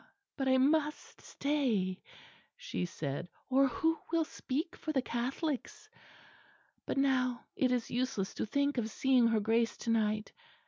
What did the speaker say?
but I must stay," she said, "or who will speak for the Catholics? But now it is useless to think of seeing her Grace to night.